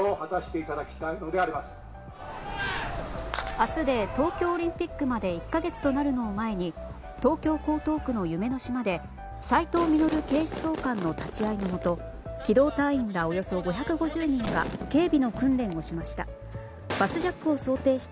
明日で東京オリンピックまで１か月となるのを前に東京・江東区の夢の島で斉藤実警視総監の立ち会いのもと機動隊員らおよそ５５０人が警備の訓練をしました。